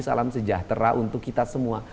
salam sejahtera untuk kita semua